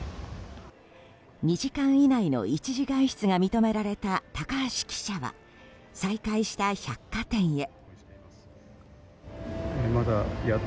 ２時間以内の一時外出が認められた高橋記者は再開した百貨店へ。